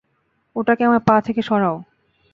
ওটাকে আমার পা থেকে সরাও!